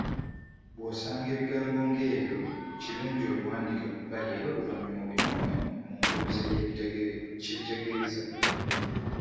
Bw’osanga ebigambo ng’ebyo, kirungi obiwandiike ku bbali era oluvannyuma obinoonye mu nkuluze kye bitegeeza.